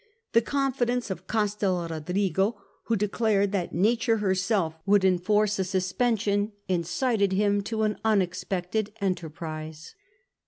The confi dence of Castel Rodrigo, who declared that Nature herself would enforce a suspension, incited him to an unexpected enterprise.